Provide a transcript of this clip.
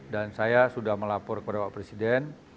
dan saya sudah melapor kepada pak presiden